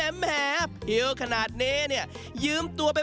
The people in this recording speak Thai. เอายกซ้ายเอายกขวา